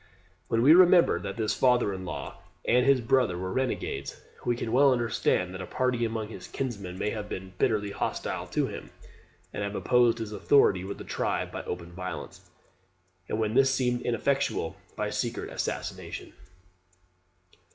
] When we remember that his father in law and his brother were renegades, we can well understand that a party among his kinsmen may have been bitterly hostile to him, and have opposed his authority with the tribe by open violence, and when that seemed ineffectual, by secret assassination.